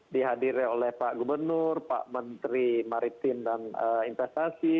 dihadiri oleh pak gubernur pak menteri maritim dan investasi